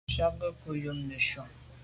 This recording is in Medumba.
Mfùag nke nko yub neshu.